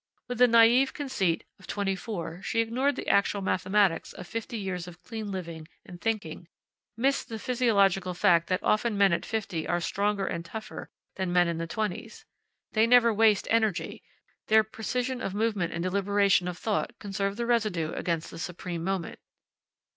With the naive conceit of twenty four she ignored the actual mathematics of fifty years of clean living and thinking, missed the physiological fact that often men at fifty are stronger and tougher than men in the twenties. They never waste energy; their precision of movement and deliberation of thought conserve the residue against the supreme moment.